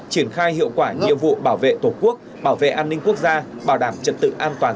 triển khai hiệu quả nhiệm vụ bảo vệ tổ quốc bảo vệ an ninh quốc gia bảo đảm trật tự an toàn